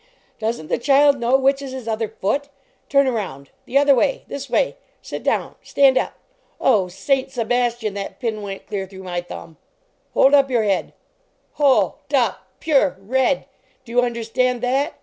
Doesn t the child know which is his other foot? "Turn around! The other way! This way! Sit down !" Stand up ! "Oh, Saint Sebastian! that pin went clear through my thumb ! vK.M.Nvj 1O DK ! >. ." Hold up your head ! HOL DUP PURE RED ! Do you understand that?